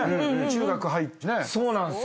中学入ってね。